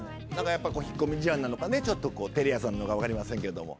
やっぱ引っ込み思案なのかちょっと照れ屋さんなのか分かりませんけども。